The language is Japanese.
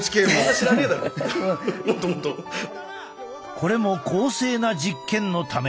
これも公正な実験のため。